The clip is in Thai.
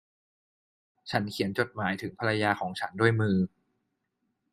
ฉันเขียนจดหมายถึงภรรยาของฉันด้วยมือ